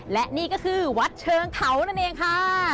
และนี่ก็คือวัดเชิงเขานั่นเองค่ะ